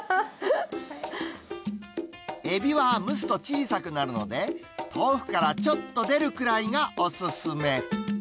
エビは蒸すと小さくなるので、豆腐からちょっと出るくらいがお勧め。